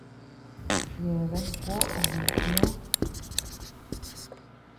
Yeabean kuoʼo nutnó.